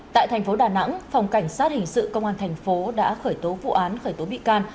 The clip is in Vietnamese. tại thành phố đà nẵng phòng cảnh sát hình sự công an thành phố đã khởi tố vụ án khởi tố bị can